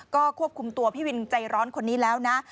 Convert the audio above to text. ก็ควบคุมตัวพี่วินใจร้อนคนนี้แล้วนะ